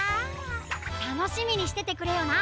たのしみにしててくれよな。